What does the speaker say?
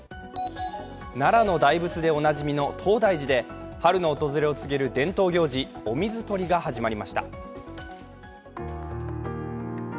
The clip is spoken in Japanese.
奈良の大仏でおなじみの東大寺で春の訪れを告げる伝統行事、お水取りが始まりました